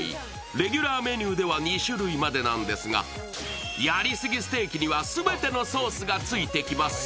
レギュラーメニューでは２種類までなんですがやりすぎステーキには全てのソースがついてきます。